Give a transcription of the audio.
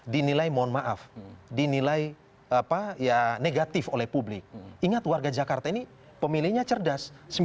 dinilai mohon maaf dinilai apa ya negatif oleh publik ingat warga jakarta ini pemilihnya cerdas